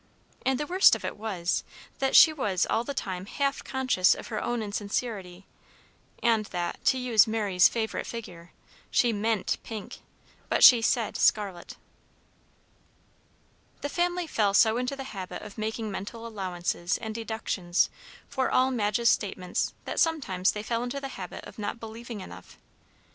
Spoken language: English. And the worst of it was, that she was all the time half conscious of her own insincerity, and that, to use Mary's favorite figure, she meant pink, but she said scarlet. The family fell so into the habit of making mental allowances and deductions for all Madge's statements that sometimes they fell into the habit of not believing enough.